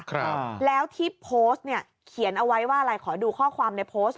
ครับแล้วที่โพสต์เนี่ยเขียนเอาไว้ว่าอะไรขอดูข้อความในโพสต์